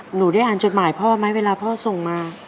หนูได้อ่านจดหมายพ่อไหมเวลาพ่อส่งมา